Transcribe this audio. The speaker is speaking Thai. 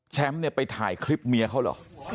เนี่ยไปถ่ายคลิปเมียเขาเหรอ